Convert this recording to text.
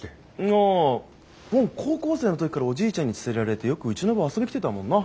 ああボン高校生の時からおじいちゃんに連れられてよくうちの部遊び来てたもんな。